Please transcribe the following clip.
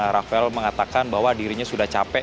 rafael mengatakan bahwa dirinya sudah capek